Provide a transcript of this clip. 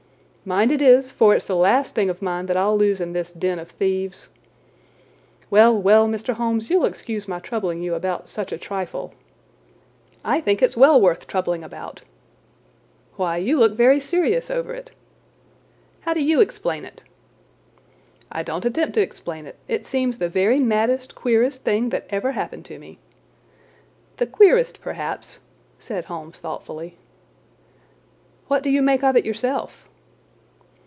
"Mind it is, for it's the last thing of mine that I'll lose in this den of thieves. Well, well, Mr. Holmes, you'll excuse my troubling you about such a trifle—" "I think it's well worth troubling about." "Why, you look very serious over it." "How do you explain it?" "I just don't attempt to explain it. It seems the very maddest, queerest thing that ever happened to me." "The queerest perhaps—" said Holmes thoughtfully. "What do you make of it yourself?"